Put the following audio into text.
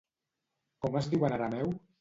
Com es diu en arameu?